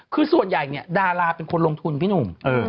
คือส่วนใหญ่เนี่ยดาราเป็นคนลงทุนพี่หนุ่ม